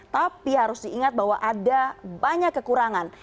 tapi harus diingat bahwa ada banyak kekurangan